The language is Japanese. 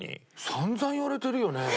散々言われてるよね。